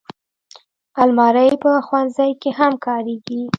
الماري په ښوونځي کې هم کارېږي